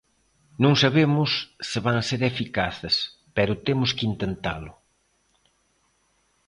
Non sabemos se van ser eficaces, pero temos que intentalo.